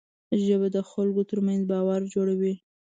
ژبه د خلکو ترمنځ باور جوړوي